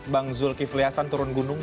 bang zulkifli hasan turun gunung